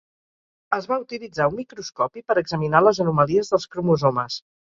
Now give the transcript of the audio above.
Es va utilitzar un microscopi per examinar les anomalies dels cromosomes.